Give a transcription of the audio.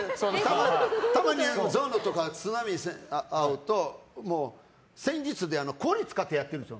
たまにゾノとか都並に会うと戦術を氷を使ってやってるんです。